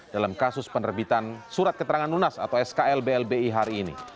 dalam kasus penerbitan surat keterangan lunas atau skl blbi hari ini